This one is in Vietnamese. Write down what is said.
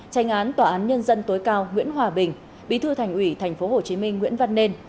tranh án tòa án nhân dân tối cao nguyễn hòa bình bí thư thành ủy tp hcm nguyễn văn nên